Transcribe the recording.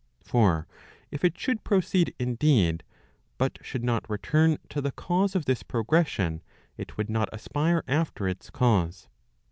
For if it should proceed indeed, but should not return to the cause of this progression, it would not aspire after its cause.